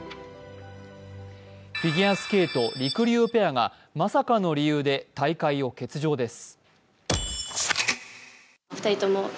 フィギュアスケートりくりゅうペアがまさかの理由で大会を欠場です。